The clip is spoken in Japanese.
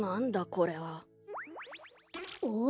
これは。おっ？